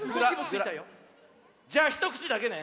じゃあひとくちだけね。